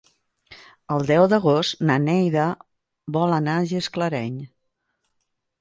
El deu d'agost na Neida vol anar a Gisclareny.